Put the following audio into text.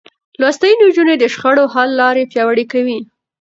لوستې نجونې د شخړو حل لارې پياوړې کوي.